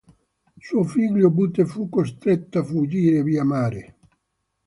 Suo figlio Bute fu costretto a fuggire via mare.